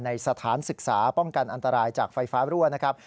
สถานศึกษาป้องกันอันตรายจากไฟฟ้ารั่วนะครับ